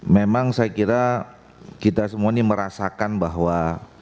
memang saya kira kita semua ini merasakan bahwa